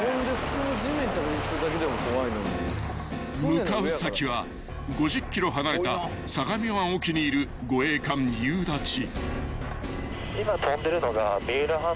［向かう先は５０ｋｍ離れた相模湾沖にいる護衛艦ゆうだち］